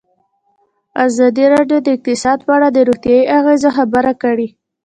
ازادي راډیو د اقتصاد په اړه د روغتیایي اغېزو خبره کړې.